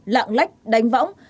lạng lách đánh võng